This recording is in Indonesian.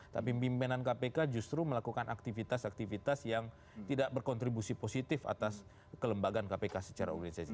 tapi pimpinan kpk justru melakukan aktivitas aktivitas yang tidak berkontribusi positif atas kelembagaan kpk secara organisasi